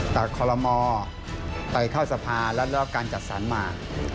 จากคอลโลมอล์ไปเข้าสภาและรับการจัดสรรมา